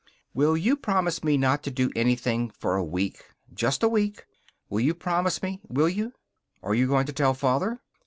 "Will you promise me not to do anything for a week? Just a week! Will you promise me? Will you?" "Are you going to tell Father?"